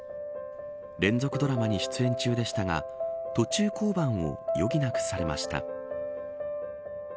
連続ドラマに出演中でしたが途中降板を余儀なくされました。